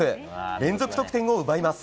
連続得点を奪います。